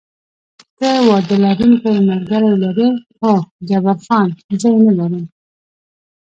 ته واده لرونکی ملګری لرې؟ هو، جبار خان: زه یې نه لرم.